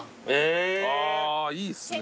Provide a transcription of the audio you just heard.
あいいですね